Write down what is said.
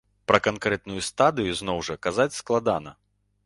Пра канкрэтную стадыю, зноў жа, казаць складана.